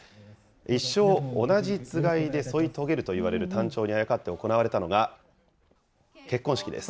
一生同じつがいで添い遂げるといわれるタンチョウにあやかって行われたのが、結婚式です。